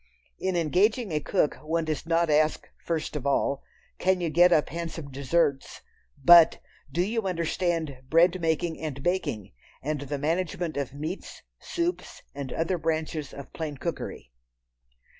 In engaging a cook one does not ask, first of all, "Can you get up handsome desserts?" but, "Do you understand bread making and baking, and the management of meats, soups, and other branches of plain cookery?"